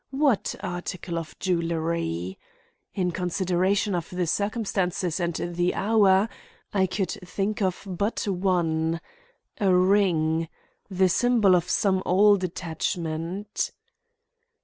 What article of jewelry? In consideration of the circumstances and the hour, I could think of but one. A ring! the symbol of some old attachment.